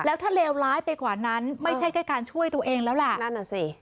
แล้วถ้าเลวร้ายไปกว่านั้นไม่ใช่แค่การช่วยตัวเองแล้วแหละนั่นน่ะสิ